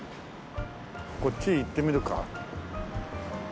こっちへ行ってみるか。